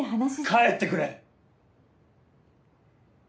・帰ってくれ！